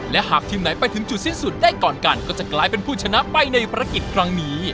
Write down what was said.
และหากทีมไหนไปถึงจุดสิ้นสุดได้ก่อนกันก็จะกลายเป็นผู้ชนะไปในภารกิจครั้งนี้